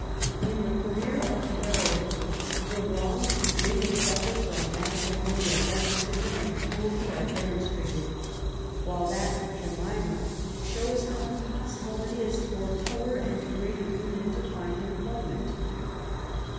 In the career of the heroine the wrongs women suffer from matrimonial despotism and cruelty are demonstrated ; while that of Jemima shows hovr LITEEAEY WORK. 161 impossible it is for poor or degraded women to find employment.